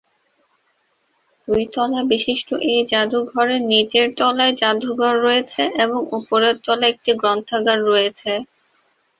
দুই তলা বিশিষ্ট এই জাদুঘরের নীচের তলায় জাদুঘর রয়েছে এবং উপরের তলায় একটি গ্রন্থাগার রয়েছে।